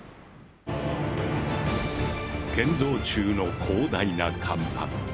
建造中の広大な甲板。